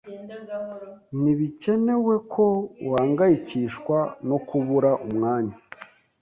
Ntibikenewe ko uhangayikishwa no kubura umwanya